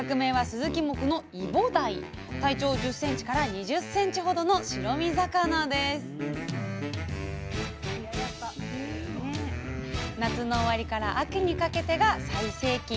体長１０２０ｃｍほどの白身魚です夏の終わりから秋にかけてが最盛期。